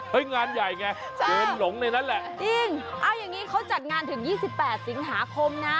งานใหญ่ไงเชิญหลงในนั้นแหละจริงเอาอย่างงี้เขาจัดงานถึง๒๘สิงหาคมนะ